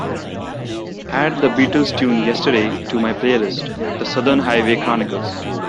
Add the Beatles tune Yesterday to my playlist, The Southern Highway Chronicles